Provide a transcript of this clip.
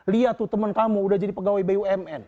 lihat tuh temen kamu udah jadi pegawai bumn